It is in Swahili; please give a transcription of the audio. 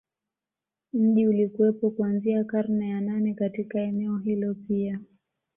Mji ulikuwepo kuanzia karne ya nane Katika eneo hilo pia